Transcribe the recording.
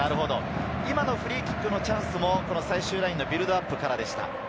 フリーキックのチャンスも最終ラインのビルドアップからでした。